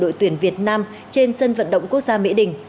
đội tuyển việt nam trên sân vận động quốc gia mỹ đình